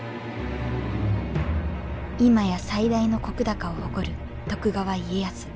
今や最大の石高を誇る徳川家康。